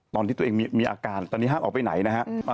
ตอนที่ตัวเองมีอาการตอนนี้ห้ามออกไปไหนนะฮะ